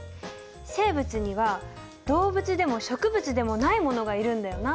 生物には動物でも植物でもないものがいるんだよな。